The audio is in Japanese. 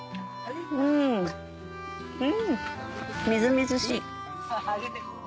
うんみずみずしい。